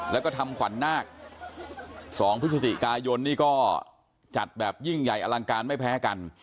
แล้วก็ทำขวัญนาค๒พฤศจิกายนนี่ก็จัดแบบยิ่งใหญ่อลังการไม่แพ้กัน